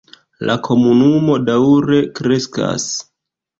La komunumo daŭre kreskas.